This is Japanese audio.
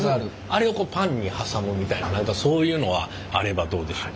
あれをパンに挟むみたいなそういうのはあればどうでしょう？